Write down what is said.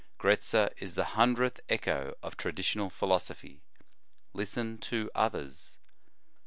"* Gretzer is the hundredth echo of traditional philosophy. Listen to others.